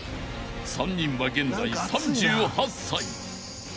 ［３人は現在３８歳］